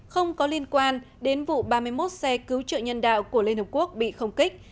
không có liên quan đến vụ ba mươi một xe cứu trợ nhân đạo của liên hợp quốc bị không kích